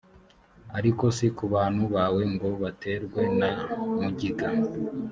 ariko si ku bantu bawe ngo baterwe na mugiga